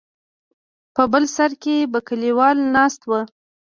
په بل سر کې به کليوال ناست ول.